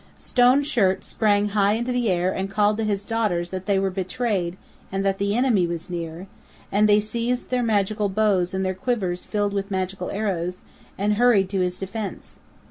Stone Shirt sprang high into the air and called to his daughters that they were betrayed and that the enemy was near; and they seized their magical bows and their quivers filled with magical arrows and hurried to his defense.